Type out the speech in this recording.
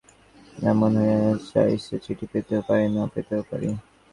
এমন হওয়া চাই–সে চিঠি পেতেও পারি, না পেতেও পারি।